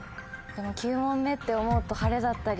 でも９問目って思うと。